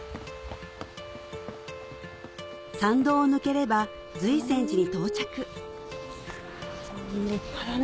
参道を抜ければ瑞泉寺に到着立派だね